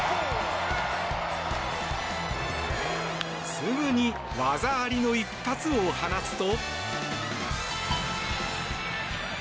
すぐに技ありの一発を放つと。